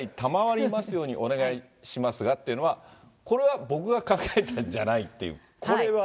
賜りますようにお願いしますがというのは、これは僕が考えたんじゃないっていう、これは？